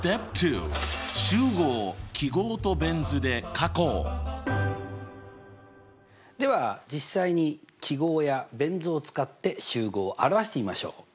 そこででは実際に記号やベン図を使って集合を表してみましょう。